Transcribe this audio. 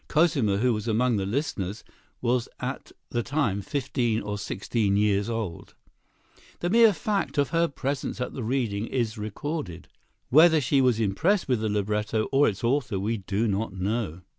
Cosima, who was among the listeners, was at the time fifteen or sixteen years old. The mere fact of her presence at the reading is recorded. Whether she was impressed with the libretto or its author we do not know.